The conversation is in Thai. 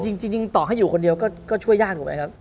จริงต่อให้อยู่คนเดียวก็ช่วยยากถูกไหมครับ